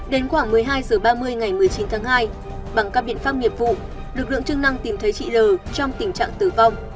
đến khoảng một mươi hai h ba mươi ngày một mươi chín tháng hai bằng các biện pháp nghiệp vụ lực lượng chức năng tìm thấy chị l trong tình trạng tử vong